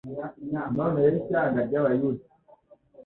None rero ishyanga ry'abayuda.